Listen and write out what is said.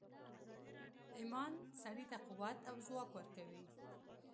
ایمان سړي ته قوت او ځواک ورکوي